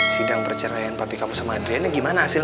sidang perceraian pabrik kamu sama adriana gimana hasilnya